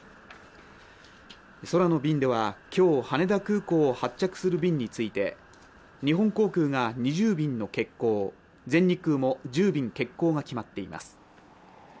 空の便では今日羽田空港を発着する便について日本航空が２０便の欠航、全日空も１０便欠航が決まっています。